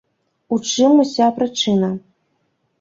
У чым уся прычына?